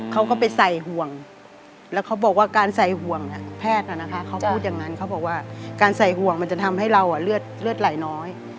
เค้าไปใส่ห่วงการใส่ห่วงแพทย์ว่าการใส่ห่วงทำให้เราเลือดไหลน้อย